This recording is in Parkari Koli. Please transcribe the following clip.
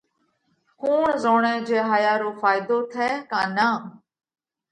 ڪُوڻ زوڻئه جي هايا رو ڦائيڌو ٿئه ڪا نان؟